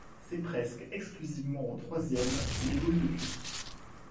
C'est presque exclusivement au troisième qu'il évolue depuis.